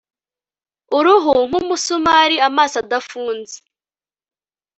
Uruhu nkumusumari amaso adafunze